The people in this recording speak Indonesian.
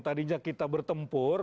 tadinya kita bertempur